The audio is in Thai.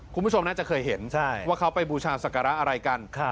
คุณผู้ชมน่าจะเคยเห็นว่าเขาไปบูชาศักระอะไรกัน